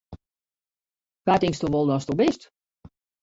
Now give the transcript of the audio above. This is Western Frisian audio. Wa tinksto wol datsto bist!